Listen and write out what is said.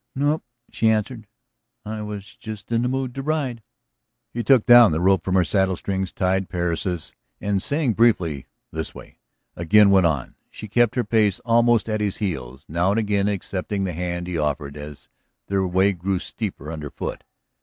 "No," she answered. "I was just in the mood to ride." He took down the rope from her saddle strings, tied Persis, and, saying briefly, "This way," again went on. She kept her place almost at his heels, now and again accepting the hand he offered as their way grew steeper underfoot.